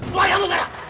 keluar kamu sekarang